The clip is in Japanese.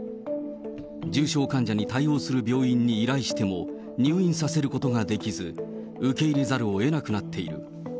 重症患者に対応する病院に依頼しても、入院させることができず、受け入れざるをえなくなっている。